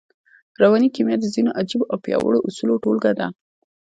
رواني کيميا د ځينو عجييو او پياوړو اصولو ټولګه ده.